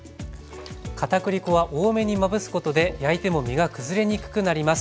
片栗粉は多めにまぶすことで焼いても身がくずれにくくなります。